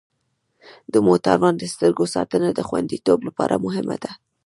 د موټروان د سترګو ساتنه د خوندیتوب لپاره مهمه ده.